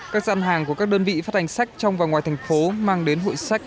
các gian hàng của các đơn vị phát hành sách trong và ngoài thành phố mang đến hội sách